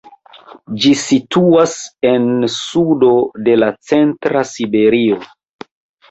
Ĝi situas en sudo de la centra Siberio.